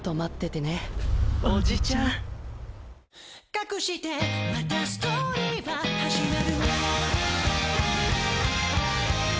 「かくしてまたストーリーは始まる」